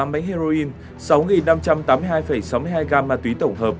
tám bánh heroin sáu năm trăm tám mươi hai sáu mươi hai gram ma túy tổng hợp